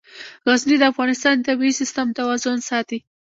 غزني د افغانستان د طبعي سیسټم توازن ساتي.